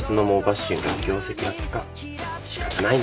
仕方ないね。